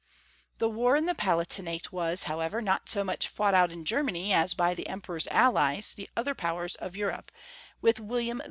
The war in the Palatinate was, however, not so much fought out in Germany as by the Emperor's alKes, the other powers of Europe, with William III.